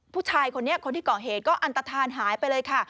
ผู้ชายคนนี้คนที่ก่อเหตุก็อันตฐานหายไปเลยค่ะ